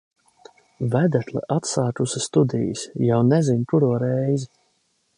Vedekla atsākusi studijas, jau nezin kuro reizi.